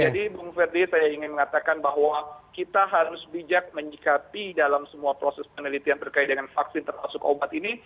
jadi saya ingin mengatakan bahwa kita harus bijak menyikapi dalam semua proses penelitian berkaitan dengan vaksin terasuk obat ini